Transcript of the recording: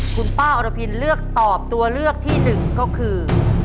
คุณป้าอรพินเลือกตอบตัวเลือกที่หนึ่งก็คือ